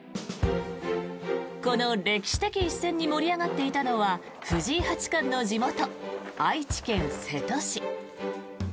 この歴史的一戦に盛り上がっていたのは藤井八冠の地元愛知県瀬戸市。